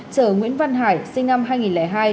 chở nguyễn văn hải sinh năm hai nghìn hai